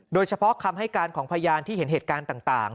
โดยเฉพาะคำให้การของพยานที่เห็นเหตุการณ์ต่าง